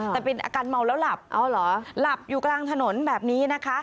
แต่เป็นอาการเมาแล้วหลับเอาเหรอหลับอยู่กลางถนนแบบนี้นะคะ